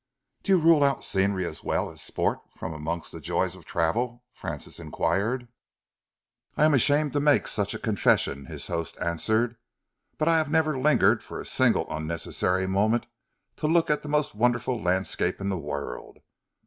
"Do you rule out scenery as well as sport from amongst the joys of travel?" Francis enquired. "I am ashamed to make such a confession," his host answered, "but I have never lingered for a single unnecessary moment to look at the most wonderful landscape in the world.